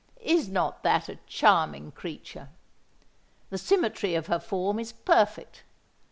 Is not that a charming creature? The symmetry of her form is perfect.